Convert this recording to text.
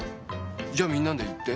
じゃあみんなで言って。